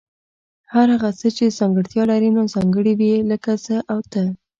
هر هغه څه چي ځانګړتیا لري نو ځانګړي وي لکه زه او ته